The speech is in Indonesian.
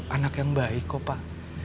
anak yang baik kok pak